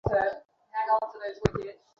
ঠিক আছে, নিচে রাখ।